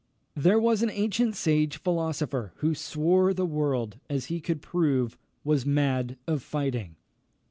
There was an ancient sage philosopher, Who swore the world, as he could prove, Was mad of fighting.